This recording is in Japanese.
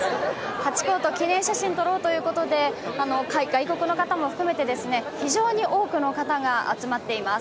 ハチ公と記念写真を撮ろうということで、外国の方も含めて、非常に多くの方が集まっています。